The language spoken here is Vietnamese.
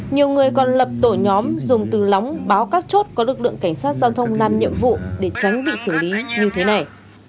nhiều người còn lập tổ nhóm dùng từ lóng báo các chốt có lực lượng cảnh sát giao thông làm nhiệm vụ để tránh bị xử lý như thế này